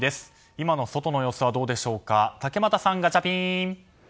今の外の様子はどうでしょうか竹俣さん、ガチャピン！